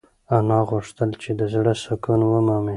انا غوښتل چې د زړه سکون ومومي.